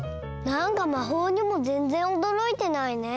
なんかまほうにもぜんぜんおどろいてないね。